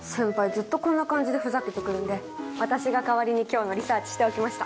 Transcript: ずっとこんな感じでふざけてくるんで私が代わりに今日のリサーチしておきました。